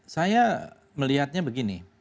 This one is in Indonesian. saya melihatnya begini